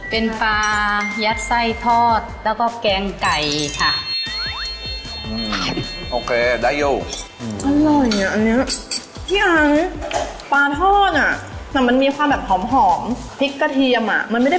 เป็นปลายัดไส้ทอดแล้วก็แกงไก่ค่ะ